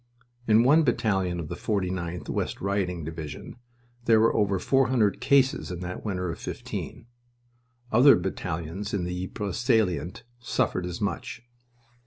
In one battalion of the 49th (West Riding) Division there were over four hundred cases in that winter of '15. Other battalions in the Ypres salient suffered as much.